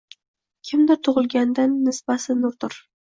Kimdir, tug‘ilgandan nisbasi nurdir